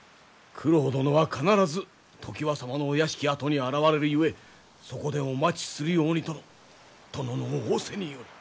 九郎殿は必ず常磐様のお屋敷跡に現れるゆえそこでお待ちするようにとの殿の仰せにより。